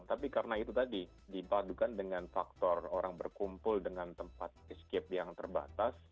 tapi karena itu tadi dipadukan dengan faktor orang berkumpul dengan tempat escape yang terbatas